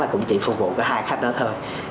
cũng chỉ phục vụ hai khách đó thôi